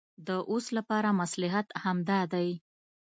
د اوس لپاره مصلحت همدا دی.